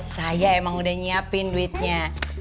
saya emang udah nyiapin duitnya